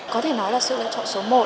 có thể nói là sự lựa chọn số một